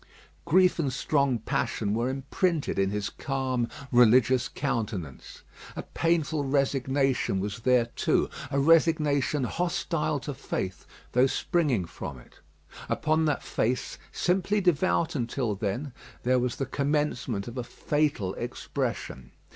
Grief and strong passion were imprinted in his calm, religious countenance. A painful resignation was there too a resignation hostile to faith, though springing from it. Upon that face, simply devout until then, there was the commencement of a fatal expression.